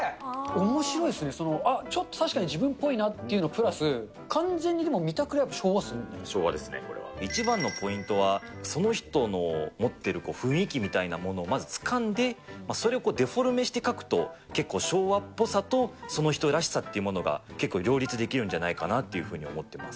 おもしろいですね、その、あっ、ちょっと確かに自分っぽいなっていうのとプラス、完全に、昭和ですね、一番のポイントは、その人の持ってる雰囲気みたいなものをまずつかんで、それをデフォルメして描くと、結構昭和っぽさとその人らしさっていうものが結構両立できるんじゃないかなというふうに思ってます。